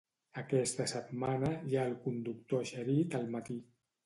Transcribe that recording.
Aquesta setmana hi ha el conductor eixerit al matí.